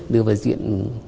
đưa vào diện